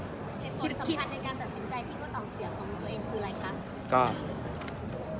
เหตุผลสำคัญในการตัดสินใจพี่มดดำเสียของตัวเองคืออะไรคะ